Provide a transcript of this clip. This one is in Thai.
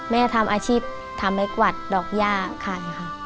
แม่ทำอาชีพทำให้กวัดดอกย่าขายค่ะ